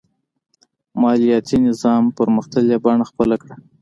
مالیاتي نظام پرمختللې بڼه خپله کړه.